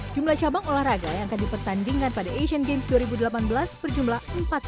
jumlah cabang olahraga yang akan dipertandingkan pada asian games dua ribu delapan belas berjumlah empat puluh